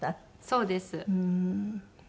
そうです。